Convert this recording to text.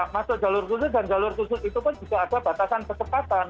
masuk jalur khusus dan jalur khusus itu pun juga ada batasan kecepatan